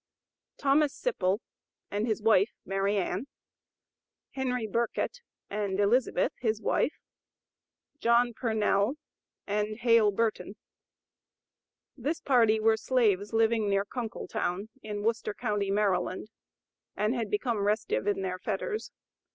THOMAS SIPPLE, and his wife, MARY ANN, HENRY BURKETT, and ELIZABETH, his wife, JOHN PURNELL, and HALE BURTON. This party were slaves, living near Kunkletown, in Worcester county, Maryland, and had become restive in their fetters.